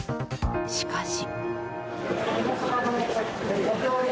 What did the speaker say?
しかし。